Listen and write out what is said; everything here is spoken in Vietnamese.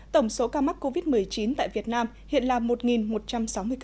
tổng số ca mắc covid một mươi chín tại việt nam hiện là một một trăm sáu mươi ca